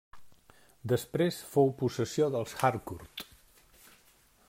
Després fou possessió dels Harcourt.